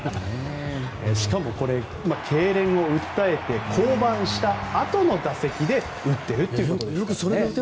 しかもこれ、けいれんを訴えて降板したあとの打席で打ってるってことですね。